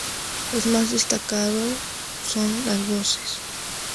Lo más destacado son las voces.